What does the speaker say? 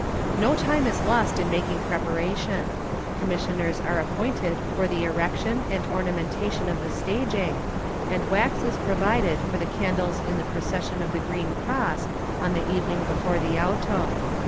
No time is lost in making preparation. Commissioners are appointed for the erection and ornamentation of the staging, and wax is provided for the candles in the procession of the Green Cross on the evening before the auto.